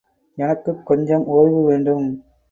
எனக்குக் கொஞ்சம் ஓய்வு வேண்டும்.